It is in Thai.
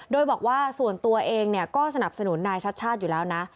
โดยบอกว่าส่วนตัวเองก็สนับสนุนนายชัดชาติอยู่แล้วนะ